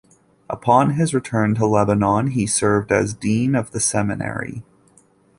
Upon his return to Lebanon, he served as dean of the seminary.